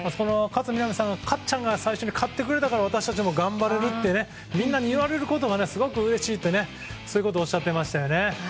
勝みなみさんの、かっちゃんが最初に勝ってくれたから私たちも頑張れるってみんなに言われることがすごくうれしいとおっしゃってましたね。